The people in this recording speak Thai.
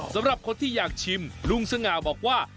สำหรับคนที่อยากชิมลุงสง่าบอกว่า